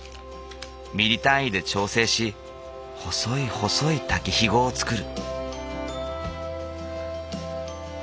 ミリ単位で調整し細い細い竹ひごを作る。